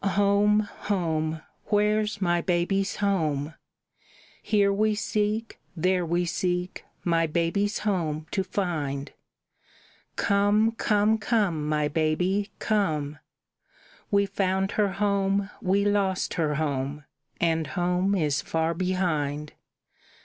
"Home, home where's my baby's home? Here we seek, there we seek, my baby's home to find. Come, come, come, my baby, come! We found her home, we lost her home, and home is far behind.